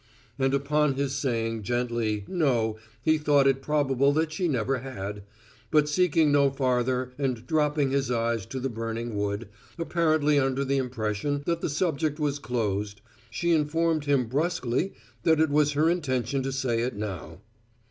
And, upon his saying gently, no, he thought it probable that she never had, but seeking no farther and dropping his eyes to the burning wood, apparently under the impression that the subject was closed, she informed him brusquely that it was her intention to say it now.